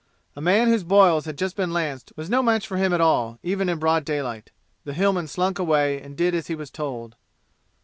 A man whose boils had just been lanced was no match for him at all, even in broad daylight. The Hillman slunk away and did as he was told.